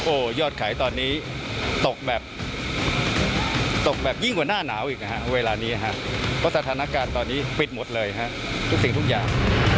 โอ้ยอดขายตอนนี้ตกแบบยิ่งกว่าหน้าหนาวอีกนะครับเวลานี้ครับก็สถานการณ์ตอนนี้ปิดหมดเลยครับทุกสิ่งทุกอย่าง